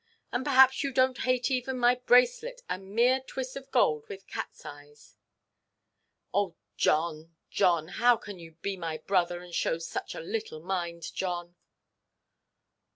And perhaps you donʼt hate even my bracelet, a mere twist of gold with catʼs eyes! Oh, John, John, how can you be my brother, and show such a little mind, John?"